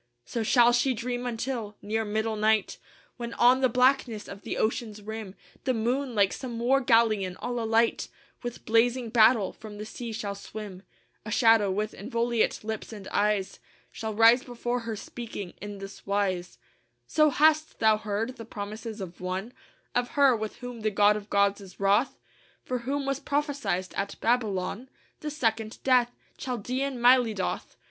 So shall she dream until, near middle night, When on the blackness of the ocean's rim The moon, like some war galleon all alight With blazing battle, from the sea shall swim, A shadow, with inviolate lips and eyes, Shall rise before her speaking in this wise: "So hast thou heard the promises of one, Of her, with whom the God of gods is wroth, For whom was prophesied at Babylon The second death Chaldæan Mylidoth!